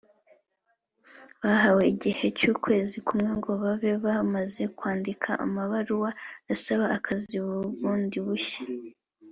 bahawe igihe cy’ukwezi kumwe ngo babe bamaze kwandika amabaruwa asaba akazi bundi bushya